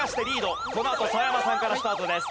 このあと澤山さんからスタートです。